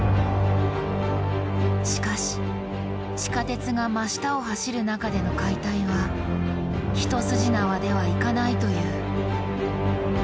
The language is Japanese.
しかし地下鉄が真下を走る中での解体は一筋縄ではいかないという。